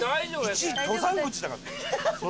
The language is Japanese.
１登山口だからね。